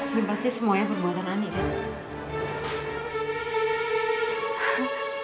ini pasti semuanya perbuatan ani kan